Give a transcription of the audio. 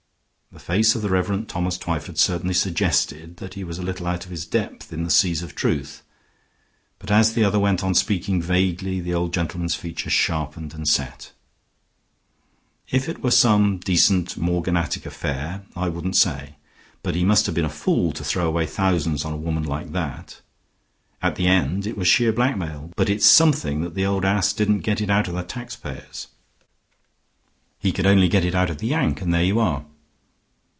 The face of the Rev. Thomas Twyford certainly suggested that he was a little out of his depth in the seas of truth, but as the other went on speaking vaguely the old gentleman's features sharpened and set. "If it were some decent morganatic affair I wouldn't say; but he must have been a fool to throw away thousands on a woman like that. At the end it was sheer blackmail; but it's something that the old ass didn't get it out of the taxpayers. He could only get it out of the Yank, and there you are."